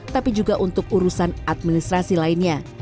tapi juga untuk urusan administrasi lainnya